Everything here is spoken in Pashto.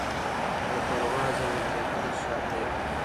له پروازه وه لوېدلي شهپرونه